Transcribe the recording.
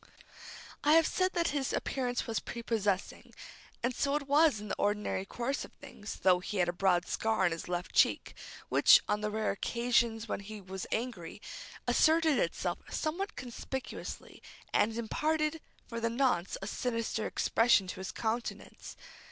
I have said that his appearance was prepossessing, and so it was in the ordinary course of things, though he had a broad scar on his left cheek, which, on the rare occasions when he was angry, asserted itself somewhat conspicuously, and imparted, for the nonce, a sinister expression to his countenance.